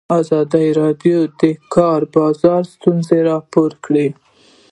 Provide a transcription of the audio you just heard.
ازادي راډیو د د کار بازار ستونزې راپور کړي.